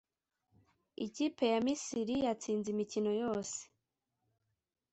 Ikipe ya Misiri yatsinze imikino yose